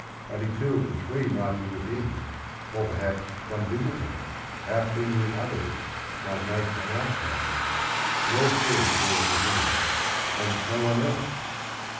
Only two of the three might be within, or perhaps some visitor, outlingering others, might make an outcry. But all three were within and no one else.